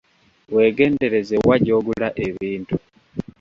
Weegendereze wa gy’ogula ebintu.